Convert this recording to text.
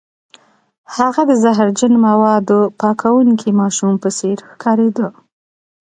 هغه د زهرجن موادو پاکوونکي ماشوم په څیر ښکاریده